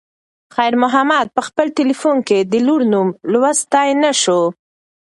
خیر محمد په خپل تلیفون کې د لور نوم لوستی نه شو.